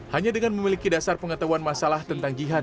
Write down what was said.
hanya dengan memiliki dasar pengetahuan masalah tentang jihad